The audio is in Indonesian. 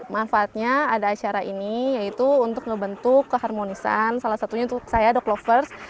manfaatnya ada acara ini yaitu untuk membentuk keharmonisan salah satunya untuk saya dog lovers